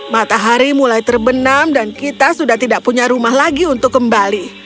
matahari mulai terbenam dan kita sudah tidak punya rumah lagi untuk kembali